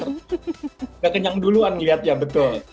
sudah kenyang duluan lihat ya betul